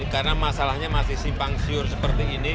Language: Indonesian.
karena masalahnya masih simpang siur seperti ini